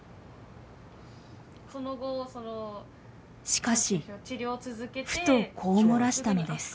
しかしふとこう漏らしたのです。